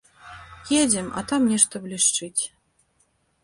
Едзем, а там нешта блішчыць.